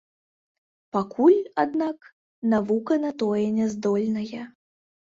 Пакуль, аднак, навука на тое няздольная.